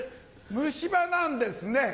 虫歯なんですね？